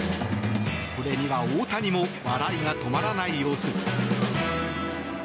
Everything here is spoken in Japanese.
これには大谷も笑いが止まらない様子。